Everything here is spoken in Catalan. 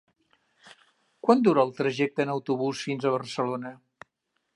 Quant dura el trajecte en autobús fins a Barcelona?